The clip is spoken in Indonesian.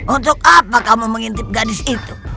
untuk apa kamu mengintip gadis itu